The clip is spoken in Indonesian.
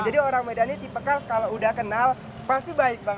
jadi orang medan ini tipekal kalau udah kenal pasti baik bang